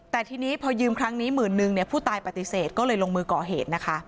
แต่ทีนี้พอยืมครั้งนี้หมื่นนึงผู้ตายปฏิเสธก็เลยลงมือก่อเหตุนะคะ